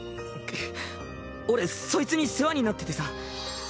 俺そいつに世話になっててさ。